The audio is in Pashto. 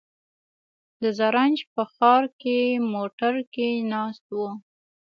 د زرنج په ښار کې موټر کې ناست و.